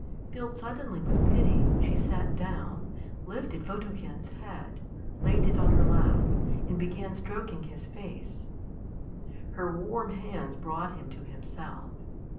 Filled suddenly with pity, she sat down, lifted Photogen's head, laid it on her lap, and began stroking his face. Her warm hands brought him to himself.